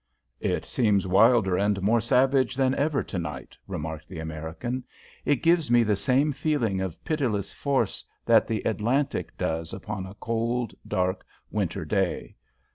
"It seems wilder and more savage than ever to night," remarked the American. "It gives me the same feeling of pitiless force that the Atlantic does upon a cold, dark, winter day.